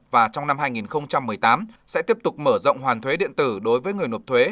và trong năm hai nghìn một mươi tám sẽ tiếp tục mở rộng hoàn thuế điện tử đối với người nộp thuế